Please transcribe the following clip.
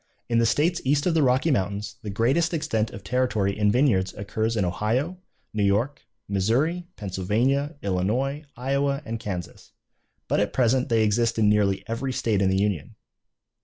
In the states east of the Rocky mountains the greatest extent of territory in vineyards occurs in Ohio, New York, Missouri, Pennsylvania, Illinois, Iowa, and Kansas, but at present they exist in nearly every state in the Union.